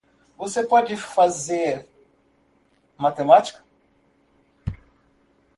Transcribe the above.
Você pode fazer matemática?